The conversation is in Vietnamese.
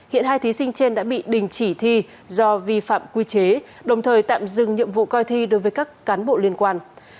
hiện hai thí sinh trên đã bị đình chỉ thi do vi phạm quy chế đồng thời tạm dừng nhiệm vụ coi thi đối với các cán bộ liên quan